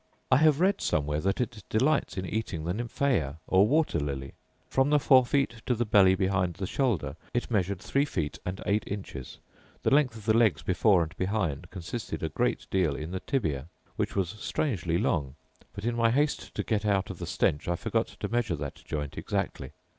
I have read somewhere that it delights in eating the nymphaea, or water lily. From the fore feet to the belly behind the shoulder it measured three feet and eight inches: the length of the legs before and behind consisted a great deal in the tibia, which was strangely long; but in my haste to get out of the stench, I forgot to measure that joint exactly.